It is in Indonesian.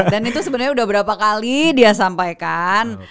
itu sebenarnya udah berapa kali dia sampaikan